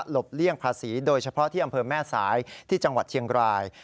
เลี่ยงภาษีโดยเฉพาะที่อำเภอแม่สายที่จังหวัดเชียงราย